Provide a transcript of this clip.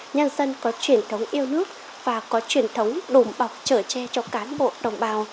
nhân dân có truyền thống yêu nước và có truyền thống đùm bọc trở tre cho cán bộ đồng bào